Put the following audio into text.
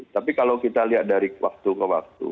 tapi kalau kita lihat dari waktu ke waktu